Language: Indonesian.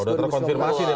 sudah terkonfirmasi nih